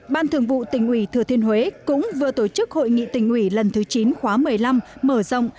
ban thường vụ tỉnh ủy thừa thiên huế cũng vừa tổ chức hội nghị tỉnh ủy lần thứ chín khóa một mươi năm mở rộng